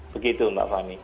begitu mbak fahmi